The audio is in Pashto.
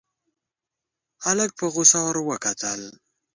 هلک په غوسه ور وکتل.